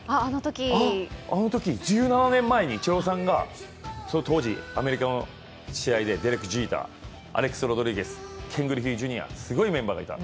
あのとき、１７年前にイチローさんが当時、アメリカの試合で出ていたデレク・ジーター、アレックス・ロドリゲス、すごいメンバーがいた。